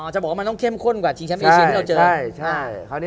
จะบอกว่ามันต้องเข้มข้นกว่าชิงแชมป์เอเชียที่เราเจอ